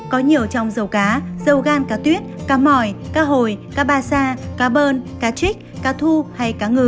có nhiều trong dầu cá dầu gan cá tuyết cá mỏi cá hồi cá ba sa cá bơn cá trích cá thu hay cá ngừ